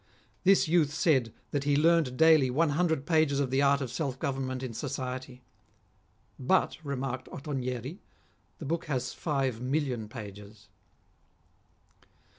This youth said that he learned daily one hundred pages of the art of self government in society. " But," remarked Ottonieri, " the book has five million pages."